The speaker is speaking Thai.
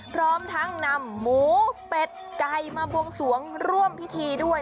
พร้อมทั้งนำหมูเป็ดไก่มาบวงสวงร่วมพิธีด้วย